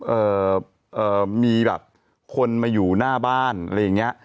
เอ่อเอ่อมีแบบคนมาอยู่หน้าบ้านอะไรอย่างเงี้ย